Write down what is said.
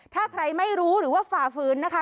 ถ้าใครไม่รู้หรือว่าฝ่าฝืนนะคะ